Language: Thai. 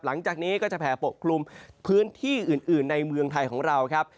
หลังจากนี้ก็จะแผ่ปกคลุมพื้นที่อื่นในเมืองไทยของเราครับ